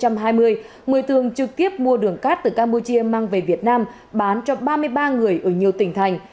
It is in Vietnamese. người thường trực tiếp mua đường cát từ campuchia mang về việt nam bán cho ba mươi ba người ở nhiều tỉnh thành